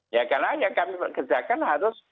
ya karena yang kami pekerjakan harus